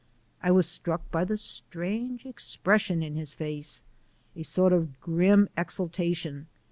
I was struck by the strange expression in his face a sort of grim exaltation.